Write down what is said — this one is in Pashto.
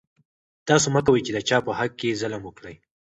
تاسو مه کوئ چې د چا په حق کې ظلم وکړئ.